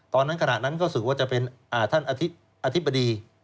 ตอนนั้นขณะนั้นก็สืบว่าจะเป็นท่านอธิบดี